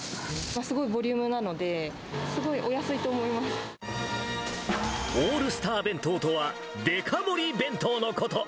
すごいボリュームなので、オールスター弁当とは、デカ盛り弁当のこと。